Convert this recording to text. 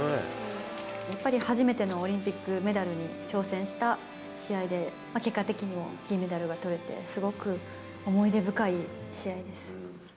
やっぱり初めてのオリンピックメダルに挑戦した試合で、結果的にも銀メダルがとれて、すごく思い出深い試合です。